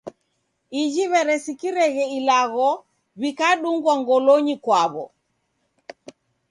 Iji w'eresikireghe ilagho, w'ikadungwa ngolonyi kwaw'o.